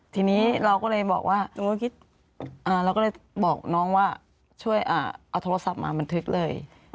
ทีนี้เราก็เลยบอกว่าเราก็เลยบอกน้องว่าช่วยเอาโทรศัพท์มาบันทึกเลย